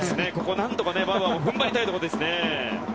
何とかバウアーもここは踏ん張りたいところです。